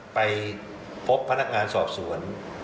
ไปพบพนักงานสอบสวน